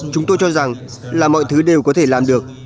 chúng tôi cho rằng là mọi thứ đều có thể làm được